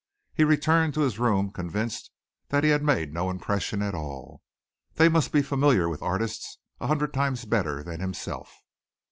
He returned to his room convinced that he had made no impression at all. They must be familiar with artists a hundred times better than himself.